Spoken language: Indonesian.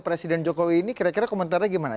presiden jokowi ini kira kira komentarnya gimana